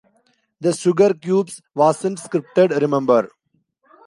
The Sugarcubes wasn't scripted, remember.